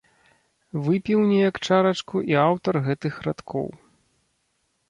Выпіў неяк чарачку і аўтар гэтых радкоў.